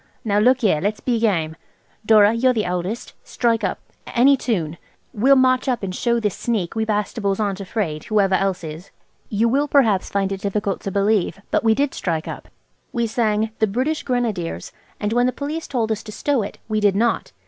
Now look here, let's be game. Dora, you're the eldest. Strike up–any tune. We'll march up, and show this sneak we Bastables aren't afraid, whoever else is." You will perhaps find it difficult to believe, but we did strike up. We sang "The British Grenadiers," and when the Police told us to stow it we did not.